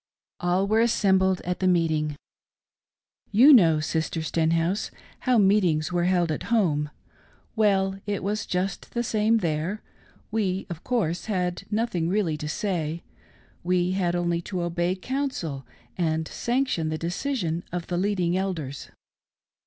All were assembled at the meeting. You know. Sister Stenhouse, how meetings were held at home. Well, it was just the same there. We, of course, had nothing really to say — we had only to obey counsel and sanction the decision of the leading Elders.